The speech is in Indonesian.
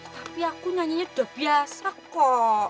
tapi aku nyanyinya udah biasa kok